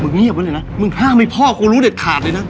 เงียบไว้เลยนะมึงห้ามให้พ่อกูรู้เด็ดขาดเลยนะ